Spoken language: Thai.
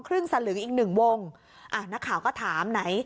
สลึงอีกหนึ่งวงอ่ะนักข่าวก็ถามไหน